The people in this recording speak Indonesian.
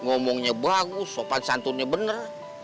ngomongnya bagus sopan santunnya benar